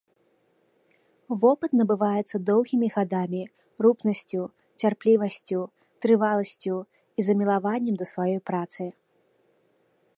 Вопыт набываецца доўгімі гадамі, рупнасцю, цярплівасцю, трываласцю і замілаваннем да сваёй працы.